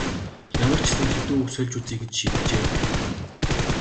Ямар ч гэсэн хэдэн үг сольж үзье гэж шийджээ.